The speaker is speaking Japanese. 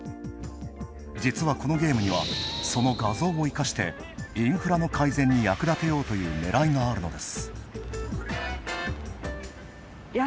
実は、このゲームには、その画像を生かしてインフラの改善に役立てようというねらいがあるのです。